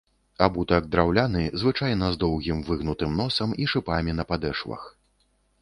Абутак драўляны, звычайна з доўгім выгнутым носам і шыпамі на падэшвах.